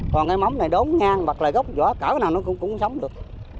còn cây mắm này đốn ngang gốc vỏ cỡ nào nó cũng sống được